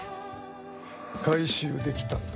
回収できたんだ。